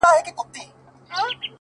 o بابولاره وروره راسه تې لار باسه،